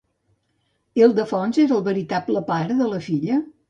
Ildefons era el veritable pare de la filla?